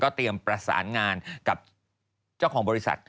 เตรียมประสานงานกับเจ้าของบริษัท